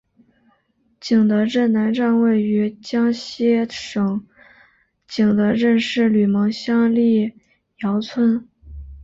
景德镇南站位于江西省景德镇市吕蒙乡历尧村。